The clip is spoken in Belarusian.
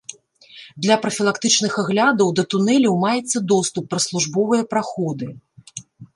Для прафілактычных аглядаў да тунэляў маецца доступ праз службовыя праходы.